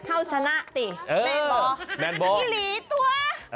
เท่านั้นชนะติแมนบอร์อีหลีตัว